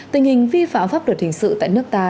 tình hình vi phạm pháp luật hình sự tại nước ta